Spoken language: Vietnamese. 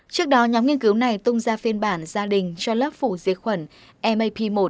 trước đó nhóm nghiên cứu này tung ra phiên bản gia đình cho lớp phủ dưới khuẩn map một